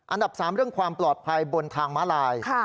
อันดับ๓เรื่องความปลอดภัยบนทางม้าลาย